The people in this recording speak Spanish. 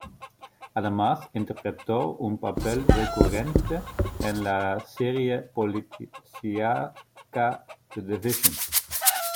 Además interpretó un papel recurrente en la serie policíaca "The Division".